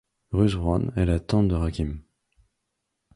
Ruth Brown est la tante de Rakim.